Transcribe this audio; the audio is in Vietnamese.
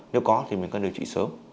nếu có thì mình cần điều trị sớm